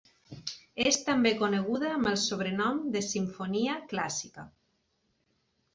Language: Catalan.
És també coneguda amb el sobrenom de Simfonia Clàssica.